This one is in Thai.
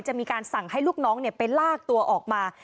จะมีการสั่งให้ลูกน้องไปลากตัวออกมา